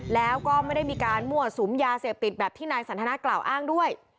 แล้วก็ไม่ได้มีการมั่วสุมยาเสพติดแบบที่นายสันทนากล่าวอ้างด้วย